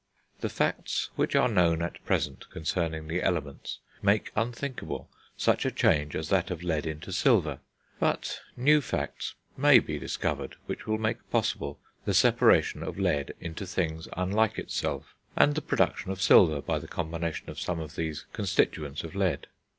The facts which are known at present concerning the elements make unthinkable such a change as that of lead into silver; but new facts may be discovered which will make possible the separation of lead into things unlike itself, and the production of silver by the combination of some of these constituents of lead.